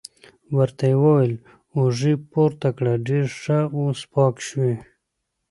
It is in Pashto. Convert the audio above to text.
ورته یې وویل: اوږې پورته کړه، ډېر ښه، اوس پاک شوې.